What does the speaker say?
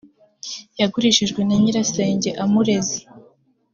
yagurishijwe na nyirasenge amureze